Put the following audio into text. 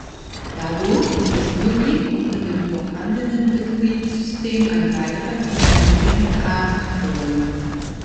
Dadurch ist es möglich, unter dem vorhandenen Betriebssystem ein weiteres in einem Fenster auszuführen.